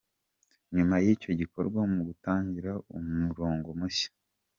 Nyuma y’icyo gikorwa mugatangira umurongo mushya.